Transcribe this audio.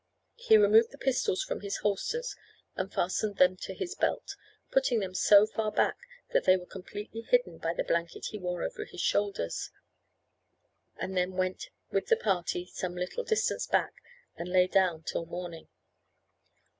He removed the pistols from his holsters, and fastened them to his belt, putting them so far back that they were completely hidden by the blanket he wore over his shoulders, and then went with the party some little distance back, and lay down till morning.